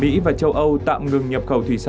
việc mỹ và châu âu tạm ngừng nhập khẩu thủy sản từ nga